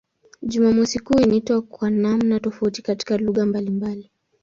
Jumamosi kuu inaitwa kwa namna tofauti katika lugha mbalimbali.